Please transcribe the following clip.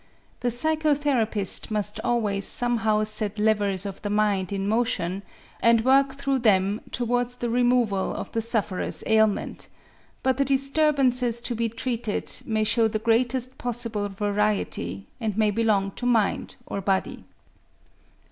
The psychotherapist must always somehow set levers of the mind in motion and work through them towards the removal of the sufferer's ailment; but the disturbances to be treated may show the greatest possible variety and may belong to mind or body.